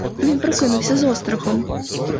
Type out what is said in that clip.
Він прокинувсь з острахом.